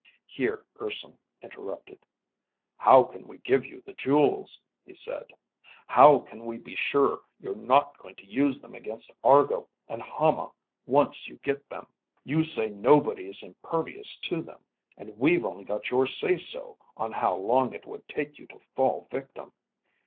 Here Urson interrupted. "How can we give you the jewels?" he said. "How can we be sure you're not going to use them against Argo and Hama once you get them. You say nobody is impervious to them. And we've only got your say so on how long it would take you to fall victim.